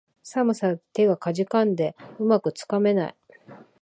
寒さで手がかじかんで、うまくつかめない